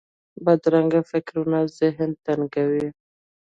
بدرنګه فکرونه ذهن تنګوي